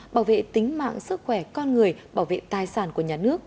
bảo vệ tính mạng sức khỏe con người bảo vệ tài sản của nhà nước